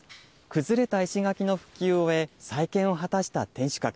崩れた石垣の復旧を終え、再建を果たした天守閣。